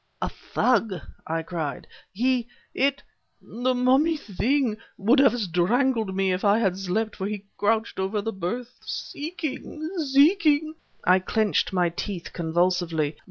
"A thug!" I cried. "He it the mummy thing would have strangled me if I had slept, for he crouched over the berth seeking seeking..." I clenched my teeth convulsively.